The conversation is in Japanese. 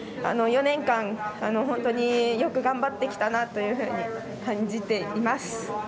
４年間、本当によく頑張ってきたなというふうに感じています。